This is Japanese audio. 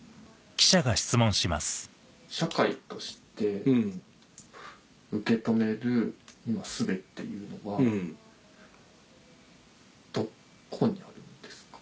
社会として受け止めるすべっていうのはどこにあるんですか？